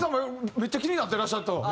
めっちゃ気になってらっしゃった。